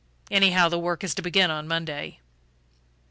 Anyhow, the work is to begin on Monday."